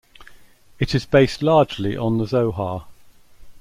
It is based largely on the Zohar.